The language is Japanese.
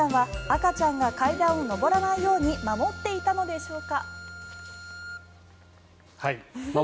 赤ちゃんが階段を上らないように守っていたのでしょうか。